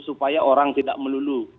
supaya orang tidak melulu